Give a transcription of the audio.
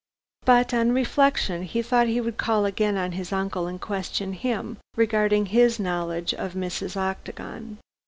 But on reflection he thought he would call again on his uncle and question him regarding his knowledge of Mrs. Octagon.